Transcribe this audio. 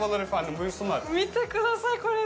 見てください、これ。